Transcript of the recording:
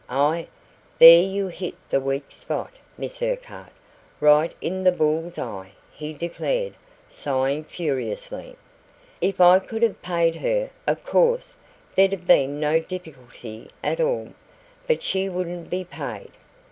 "Ah, there you hit the weak spot, Miss Urquhart, right in the bull's eye," he declared, sighing furiously. "If I could have paid her, of course there'd have been no difficulty at all. But she wouldn't be paid."